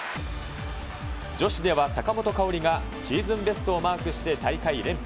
女子では坂本花織がシーズンベストをマークして大会連覇。